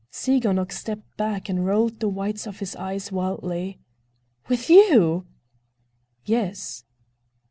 Tsiganok stepped back and rolled the whites of his eyes wildly. "With you!" "Yes."